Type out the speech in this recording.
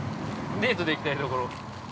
デートで行きたいところ。